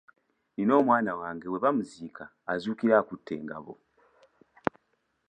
Nina omwana wange bwe bamuziika azuukira akutte engabo.